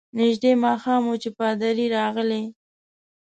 نژدې ماښام وو چي پادري راغلی.